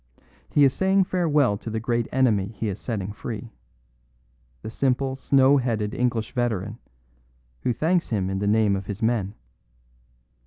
He is saying farewell to the great enemy he is setting free the simple, snow headed English veteran, who thanks him in the name of his men.